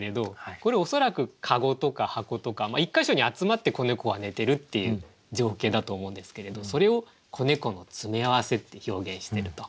これ恐らく籠とか箱とか１か所に集まって子猫が寝てるっていう情景だと思うんですけれどそれを「子猫の詰め合わせ」って表現してると。